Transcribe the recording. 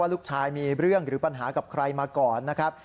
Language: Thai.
ลูกชายมีเรื่องหรือปัญหากับใครมาก่อนนะครับ